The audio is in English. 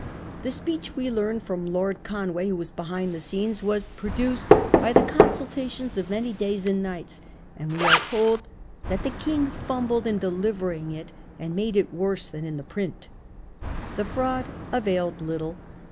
The speech, we learn from Lord Conway, who was behind the scenes, was pro duced 'by the consultations of many days and nights'; and we are told that ' the King fumbled in delivering it, and made it worse than in the print.' The fraud availed little.